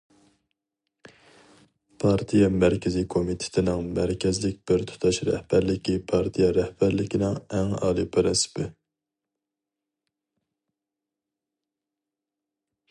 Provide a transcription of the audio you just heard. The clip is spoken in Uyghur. پارتىيە مەركىزىي كومىتېتىنىڭ مەركەزلىك بىرتۇتاش رەھبەرلىكى پارتىيە رەھبەرلىكىنىڭ ئەڭ ئالىي پىرىنسىپى.